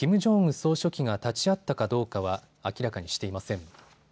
総書記が立ち会ったかどうかは明らかにしていません。